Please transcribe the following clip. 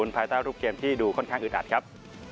ภายใต้รูปเกมที่ดูค่อนข้างอึดอัดครับ